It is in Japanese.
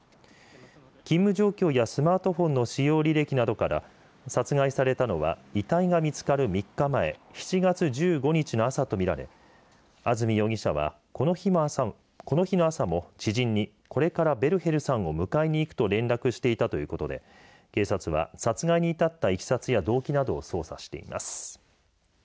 勤務状況やスマートフォンの使用履歴などから殺害されたのは遺体が見つかる３日前７月１５日の朝と見られ安住容疑者はこの日の朝も知人に、これからベルヘルさんを迎えに行くと連絡していたということで警察は殺害に至った動機やいきさつなどを調べています。